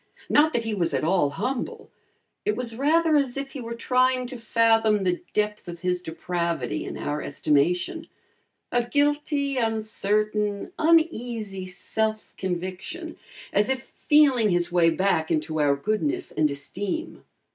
Not that he was at all humble; it was rather as if he were trying to fathom the depth of his depravity in our estimation: a guilty, uncertain, uneasy, self conviction, as if feeling his way back into our goodness and esteem.